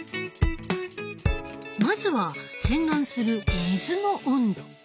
まずは洗顔する水の温度。